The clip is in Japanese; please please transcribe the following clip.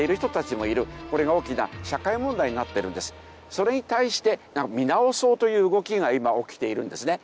それに対して見直そうという動きが今起きているんですね。